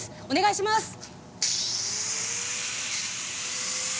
お願いします。